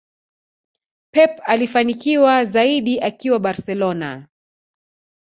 Pep alifanikiwa zaidi akiwa barcelona